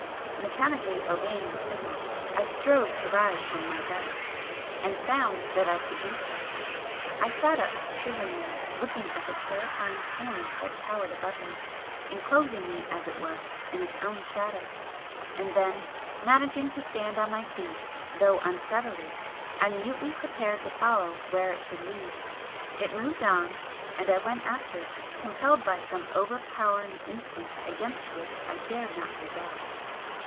Mechanically obeying the signal, I strove to rise from my bed and found that I could do so, I sat up shiveringly, looking at the terrifying Form that towered above me, enclosing me as it were in its own shadow and then, managing to stand on my feet, though unsteadily, I mutely prepared to follow where it should lead. It moved on and I went after it, compelled by some overpowering instinct against which I dared not rebel.